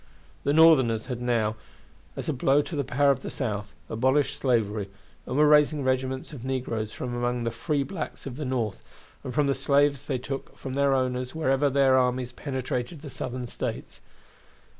The Northerners had now, as a blow to the power of the South, abolished slavery, and were raising regiments of negroes from among the free blacks of the North, and from the slaves they took from their owners wherever their armies penetrated the Southern States.